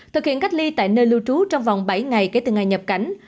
thực hiện cách ly tại nơi lưu trú trong vòng bảy ngày kể từ ngày nhập cảnh